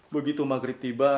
begitu maghrib tiba